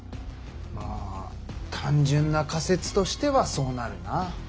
まあ単純な仮説としてはそうなるな。